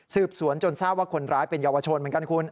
สืบสวนจนทราบว่าคนร้ายเป็นเยาวชนเหมือนกันคุณ